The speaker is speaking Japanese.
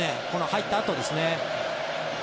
入ったあとですね。